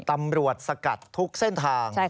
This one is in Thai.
ตำรวจสกัดทุกเส้นทาง